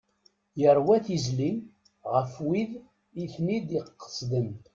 Yerwa tizli ɣef wid iten-id-iqesden.